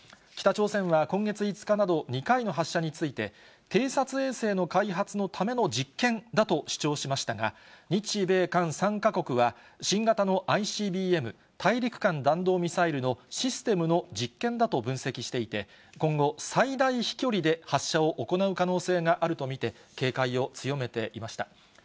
北朝鮮は今月５日など、２回の発射について、偵察衛星の開発のための実験だと主張しましたが、日米韓３か国は新型のＩＣＢＭ・大陸間弾道ミサイルのシステムの実験だと分析していて、今後、最大飛距離で発射を行う可能性があると見て、警戒を強めていました。